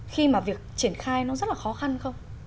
khi mà việc triển khai nó rất là khó khăn không